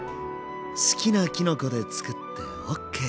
好きなきのこで作ってＯＫ！